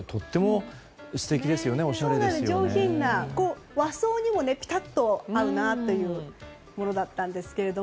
上品な、和装にもピタッと合うなというものだったんですが